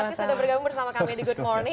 artis udah bergabung bersama kami di good morning